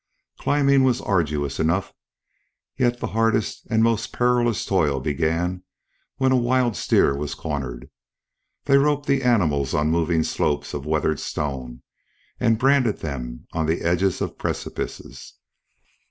Climbing was arduous enough, yet the hardest and most perilous toil began when a wild steer was cornered. They roped the animals on moving slopes of weathered stone, and branded them on the edges of precipices.